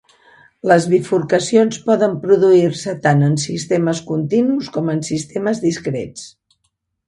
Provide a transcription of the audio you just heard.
Les bifurcacions poden produir-se tant en sistemes continus com en sistemes discrets.